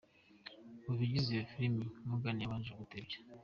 mu bigize iyo filime, Morgan yabanje gutebya .